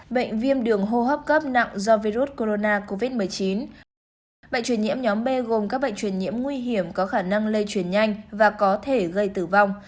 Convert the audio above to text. bệnh truyền nhiễm nhóm b gồm các bệnh truyền nhiễm nguy hiểm có khả năng lây truyền nhanh và có thể gây tử vong